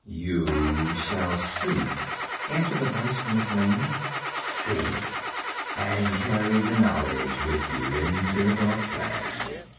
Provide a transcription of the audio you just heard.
'You shall see,' answered the voice from the flame, 'see, and carry the knowledge with you into the Dark Land.'